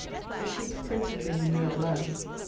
The sheep principally manure the land.